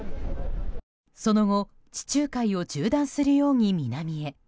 その後、地中海を縦断するように南へ。